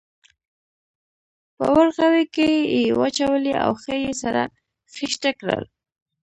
په ورغوي کې یې واچولې او ښه یې سره خیشته کړل.